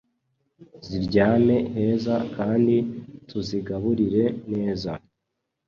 ziryame heza kandi tuzigaburire neza